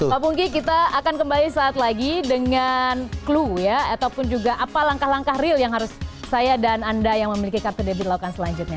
pak pungki kita akan kembali saat lagi dengan clue ya ataupun juga apa langkah langkah real yang harus saya dan anda yang memiliki kartu debit lakukan selanjutnya